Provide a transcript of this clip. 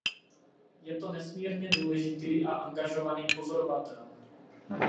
Je to nesmírně důležitý a angažovaný pozorovatel.